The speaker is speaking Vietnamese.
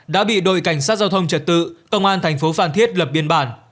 đã bị đội cảnh sát giao thông trật tự công an thành phố phan thiết lập biên bản